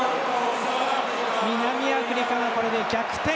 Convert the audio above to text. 南アフリカはこれで逆転。